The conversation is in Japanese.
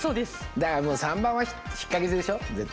だからもう３番は引っかけでしょ絶対。